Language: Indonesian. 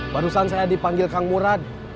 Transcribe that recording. barusan saya dipanggil kang murad